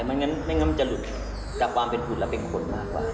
ไม่งั้นมันจะหลุดกับความเป็นหุ่นและเป็นคนมากกว่า